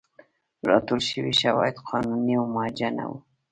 راټول شوي شواهد قانوني او موجه نه وو.